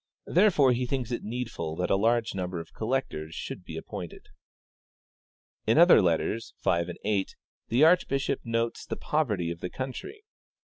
Therefore he thinks it needful that a larger number of collectors should be appointed. " In other letters (letters 5, 8) the archbishop notes the poverty of the country.